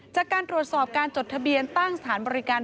จากการตรวจสอบการจดทะเบียนตั้งสถานบริการ